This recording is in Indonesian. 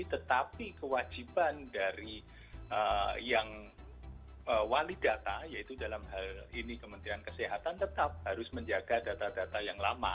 tetapi kewajiban dari yang wali data yaitu dalam hal ini kementerian kesehatan tetap harus menjaga data data yang lama